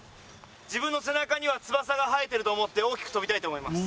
自分の背中には翼が生えてると思って大きく跳びたいと思います。